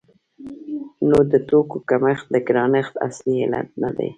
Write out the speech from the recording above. نو د توکو کمښت د ګرانښت اصلي علت نه دی.